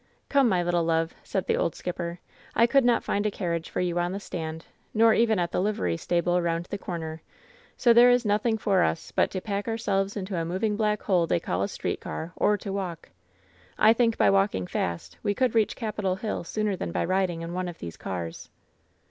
"Come, my little love,'' said the old skipper, "I could not find a carriage for you on the stand, nor even at the livery stable aroimd the comor; so there is nothing for us but to pack ourselves into a moving black hole they call a street car or to walk. I think by walking fast we could reach Capitol Hill sooner than by riding in one of these cars."